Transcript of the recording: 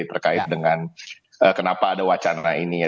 terkait dengan kenapa ada wacana ini ya